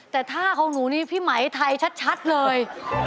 แต่ท่าของหนูนี่พี่ไหมไทยชัดเลย